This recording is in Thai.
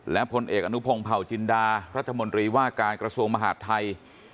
และพลเอกอนุพงศ์เผาจินดารัฐมนตรีว่าการกระทรวงมหาดไทย